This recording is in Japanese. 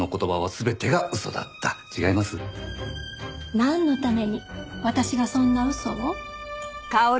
なんのために私がそんな嘘を？